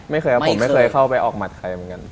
ไม่เคยครับผมไม่เคยเข้าไปออกหมัดใครเหมือนกัน